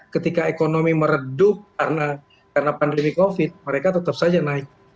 ketika ekonomi meredup karena pandemi covid mereka tetap saja naik